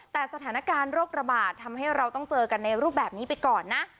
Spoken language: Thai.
แต่สถานการณ์โรคระบาดทำให้เราต้องเจอกันในรูปแบบนี้ไปก่อนนะ